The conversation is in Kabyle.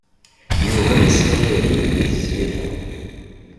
Yuba yesla yagi i tezlit-a.